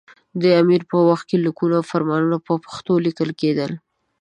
دې امیر په وخت کې لیکونه او فرمانونه په پښتو لیکل کېدل.